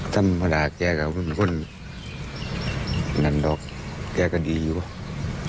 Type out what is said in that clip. สัมภาษณ์แกกับทุกคนดันดอกแกก็ดีอยู่ครับ